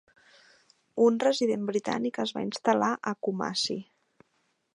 Un resident britànic es va instal·lar a Kumasi.